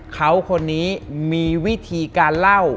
เขาคนนี้มีวิธีการเล่า